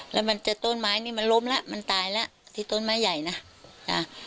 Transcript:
แล้วมันจะต้นไม้นี่มันล้มแล้วมันตายแล้วที่ต้นไม้ใหญ่นะจ้ะ